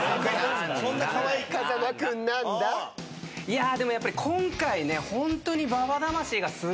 いやでもやっぱり今回ねホントに。